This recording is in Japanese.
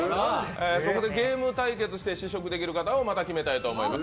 そこでゲーム対決して試食できる方を、また決めたいと思います。